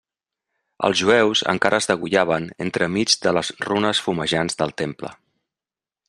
Els jueus encara es degollaven entremig de les runes fumejants del Temple.